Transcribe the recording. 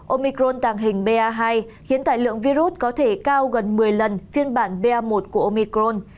omicron tàng tàng hình ba hai khiến tài lượng virus có thể cao gần một mươi lần phiên bản ba một của omicron